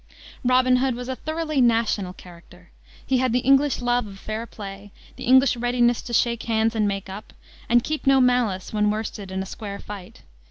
Robin Hood was a thoroughly national character. He had the English love of fair play, the English readiness to shake hands and make up, and keep no malice when worsted in a square fight.